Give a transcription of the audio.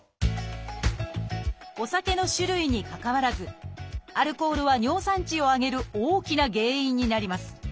お酒の種類にかかわらずアルコールは尿酸値を上げる大きな原因になります。